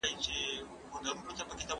د بدلون اړتیا په هره کرښه کې موجوده ده.